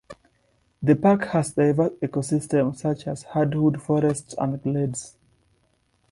The park has diverse ecosystems such as hardwood forests and glades.